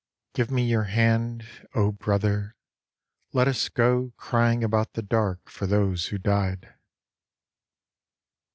Give me your hand, Oh brother, let us go Crying about the dark for those who died.